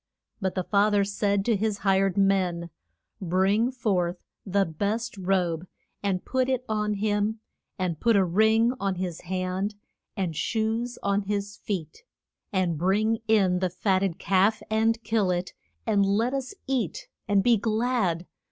But the fa ther said to his hired men, Bring forth the best robe and put it on him, and put a ring on his hand, and shoes on his feet. And bring in the fat ted calf, and kill it, and let us eat and be glad.